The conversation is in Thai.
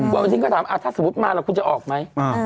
หัวอาจจะถามว่าถ้าสมมติมาจะออกกันมั๊ย